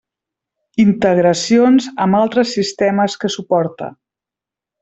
Integracions amb altres sistemes que suporta.